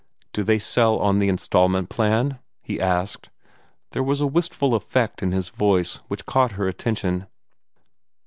"Do they sell on the instalment plan?" he asked. There was a wistful effect in his voice which caught her attention.